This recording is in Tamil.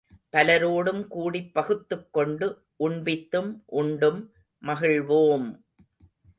பலரோடும் கூடிப் பகுத்துக்கொண்டு, உண்பித்தும் உண்டும் மகிழ்வோம்!